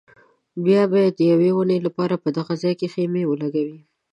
بیا به یې د یوې اونۍ لپاره په دغه ځای کې خیمې ولګولې.